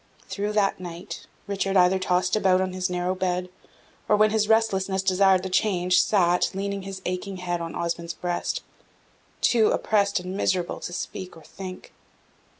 Through that night, Richard either tossed about on his narrow bed, or, when his restlessness desired the change, sat, leaning his aching head on Osmond's breast, too oppressed and miserable to speak or think.